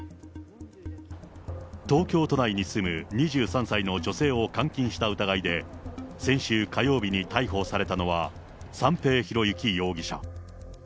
東京都内に住む２３歳の女性を監禁した疑いで、先週火曜日に逮捕されたのは、三瓶博幸容疑者。